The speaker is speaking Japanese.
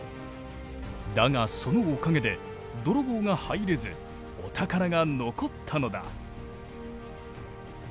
だがそのおかげで泥棒が入れずお宝が残ったのだ。